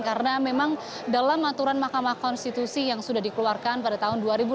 karena memang dalam aturan mahkamah konstitusi yang sudah dikeluarkan pada tahun dua ribu enam belas